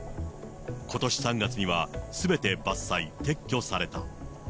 ことし３月には、すべて伐採、撤去された。